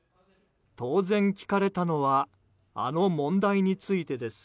当然、聞かれたのはあの問題についてです。